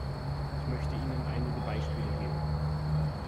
Ich möchte Ihnen einige Beispiele geben.